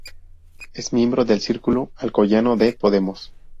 Es miembro del círculo alcoyano de Podemos.